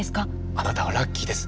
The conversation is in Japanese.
あなたはラッキーです。